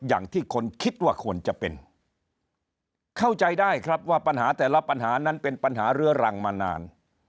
อย่างที่คนคิดว่าควรจะเป็นเข้าใจได้ครับว่าปัญหาแต่ละปัญหานั้นเป็นปัญหาเรื้อรังมานาน